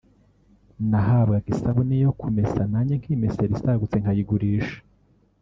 nahabwaga isabune yo ku mesa nanjye nkimesera isagutse nkayigurisha